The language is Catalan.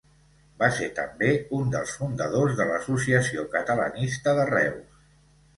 Va ser també un dels fundadors de l'Associació Catalanista de Reus.